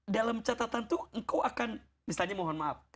dalam catatan itu engkau akan misalnya mohon maaf